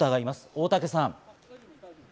大竹さん。